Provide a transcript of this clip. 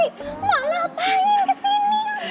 mak ngapain kesini